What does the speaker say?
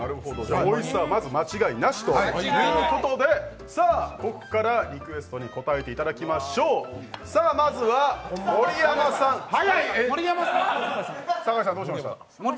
おいしさはまず間違いなしということでここからリクエストに応えていただきましょうまずは盛山さん、酒井さん、どうしました？